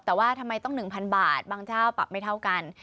แต่ว่าทำไมต้อง๑๐๐บาทบางเจ้าปรับไม่เท่ากัน